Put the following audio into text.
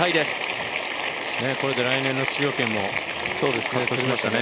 これで来年の出場権も獲得できましたね。